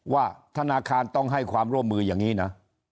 ว่าธนาคารต้องให้ความร่วมมืออย่างนี้นะ